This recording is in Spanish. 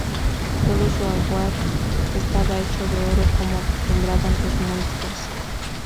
Todo su ajuar estaba hecho de oro, como acostumbraban los muiscas.